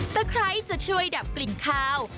ไคร้จะช่วยดับกลิ่นคาว